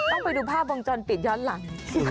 ไปดูภาพวงจรปิดย้อนหลัง